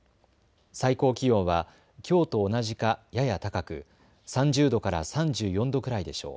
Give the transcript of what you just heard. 最高気温はきょうと同じかやや高く３０度から３４度くらいでしょう。